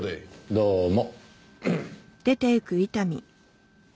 どうも。